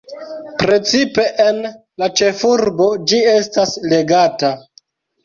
Precipe en la ĉefurbo ĝi estas legata.